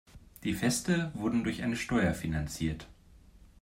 Die Feste wurden durch eine Steuer finanziert.